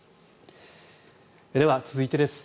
では、続いてです。